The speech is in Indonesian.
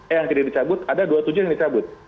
eh yang tidak dicabut ada dua puluh tujuh yang dicabut